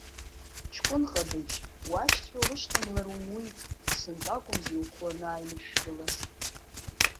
Ҷкәын ҟадыџь, уашьцәа урышьҭамлар умуит, Сынтәа акәымзи ухәы анааинышәшәылаз…